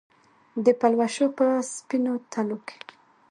د پلوشو په سپینو تلو کې